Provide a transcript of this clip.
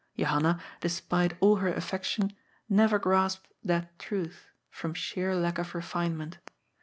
Johanna, despite all her affection, never grasped that truth, from sheer lack of refinement.